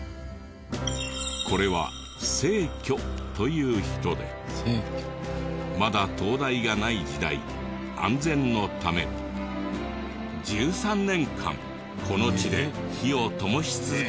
これは清虚という人でまだ灯台がない時代安全のため１３年間この地で火をともし続けたという人物。